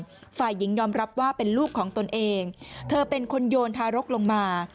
ฝ่ายหญิงยอมรับว่าเป็นลูกของตนเองเธอเป็นคนโยนทารกลงมา